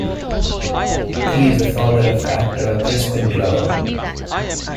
He is the father of actor Crispin Glover.